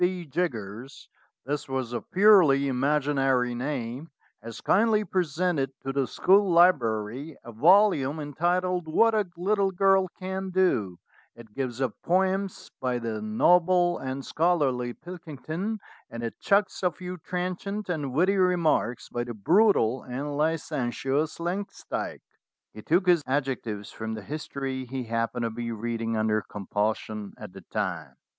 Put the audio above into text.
B. Jiggers" this was a purely imaginary name "has kindly presented to the school library a volume entitled 'What a Little Girl can do'; it gives up poems by the noble and scholarly Pilkington, and it chucks a few trenchant and witty remarks by the brutal and licentious Langs dyke." He took his adjectives from the history he happened to be reading (under compulsion) at the time.